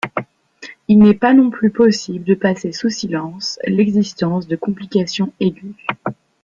Il n’est pas non plus possible de passer sous silence l’existence de complications aiguës.